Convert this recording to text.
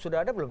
sudah ada belum